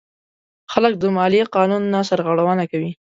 خلک د مالیې قانون نه سرغړونه کوي.